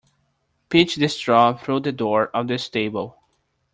Pitch the straw through the door of the stable.